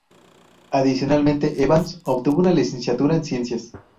Adicionalmente, Evans obtuvo una licenciatura en Ciencias.